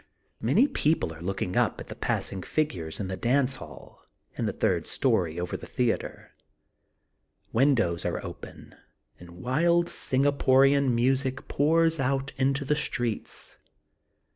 Many people are looking up at the passing figures in the dance haU in the third story over the theatre. Windows are open and wild Singaporian music pours out into the streets.